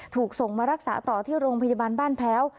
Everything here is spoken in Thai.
ถูกส่งมารักษาต่อที่โรงพยาบาลบ้านแพ้ว